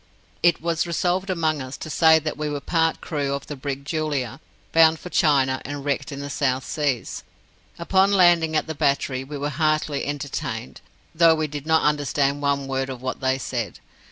It was resolved among us to say that we were part crew of the brig Julia, bound for China and wrecked in the South Seas. Upon landing at the battery, we were heartily entertained, though we did not understand one word of what they said.